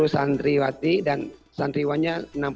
empat puluh santri wati dan santriwannya